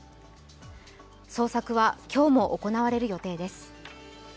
捜索は今日も行われる予定です。